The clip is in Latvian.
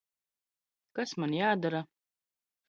Kas man jādara?